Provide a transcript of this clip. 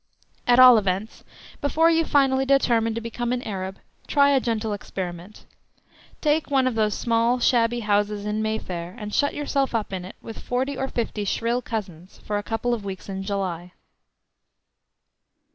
At all events, before you finally determine to become an Arab try a gentle experiment. Take one of those small, shabby houses in May Fair, and shut yourself up in it with forty or fifty shrill cousins for a couple of weeks in July.